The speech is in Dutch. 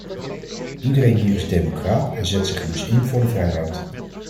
Iedereen hier is democraat en zet zich dus in voor de vrijheid.